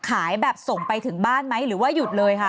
ขายแบบส่งไปถึงบ้านไหมหรือว่าหยุดเลยค่ะ